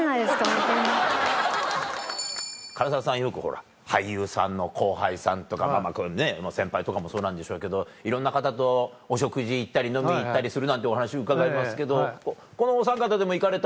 唐沢さんよくほら俳優さんの後輩さんとかまぁまぁ先輩とかもそうなんでしょうけどいろんな方とお食事行ったり飲み行ったりするなんてお話伺いますけどこのおさん方でも行かれたりは？